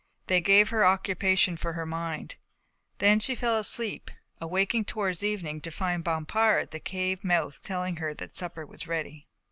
They gave her occupation for her mind. Then she fell asleep, awaking towards evening to find Bompard at the cave mouth telling her that supper was ready.